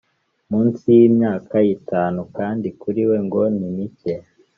munsi y imyaka itanu kandi kuri we ngo nimike